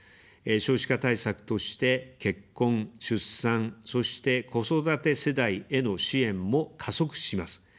少子化対策として、結婚・出産、そして子育て世代への支援も加速します。